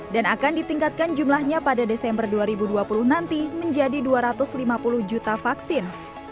dan akan ditingkatkan jumlahnya pada desember dua ribu dua puluh nanti menjadi dua ratus lima puluh juta vaksin